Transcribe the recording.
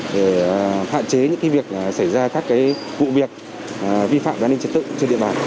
để hạn chế những việc xảy ra các vụ việc vi phạm an ninh trật tự trên địa bàn